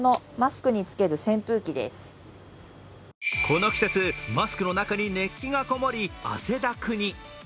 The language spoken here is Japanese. この季節、マスクの中に熱気がこもり汗だくに。